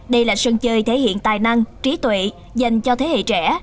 đây là sân chơi thể hiện tài năng trí tuệ dành cho thế hệ trẻ